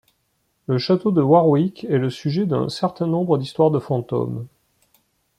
Le château de Warwick est le sujet d'un certain nombre d'histoires de fantômes.